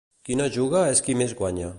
Qui no juga és qui més guanya.